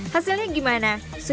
hasilnya bagaimana filan primero